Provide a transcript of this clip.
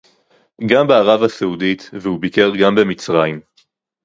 גם בערב-הסעודית והוא ביקר גם במצרים